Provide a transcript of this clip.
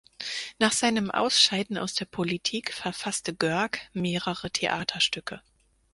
Nach seinem Ausscheiden aus der Politik verfasste Görg mehrere Theaterstücke.